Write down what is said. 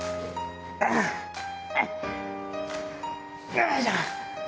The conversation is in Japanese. よいしょ！